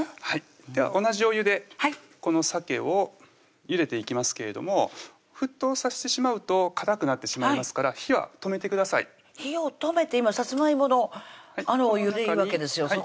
はいでは同じお湯でこのさけをゆでていきますけれども沸騰さしてしまうとかたくなってしまいますから火は止めてください火を止めて今さつまいものあのお湯でいいわけですよ